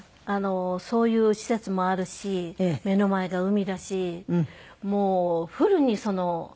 そういう施設もあるし目の前が海だしもうフルにもらっていますね。